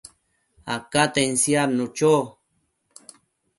acaten siadnu cho